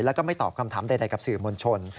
แล้วก็ไม่ตอบคำถามใดกับสื่อมวลชน